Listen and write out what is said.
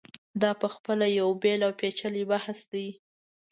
دا په خپله یو بېل او پېچلی بحث دی.